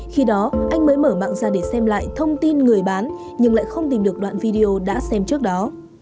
khi đó anh mới mở mạng ra để xem lại thông tin người bán nhưng lại không tìm được đoạn video đã xem trước đó